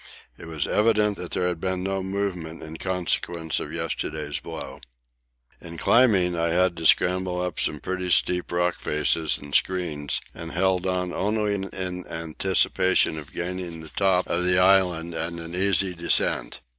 It was evident that there had been no movement in consequence of yesterday's blow. In climbing I had to scramble up some pretty steep rock faces and screens, and held on only in anticipation of gaining the top of the Island and an easy descent.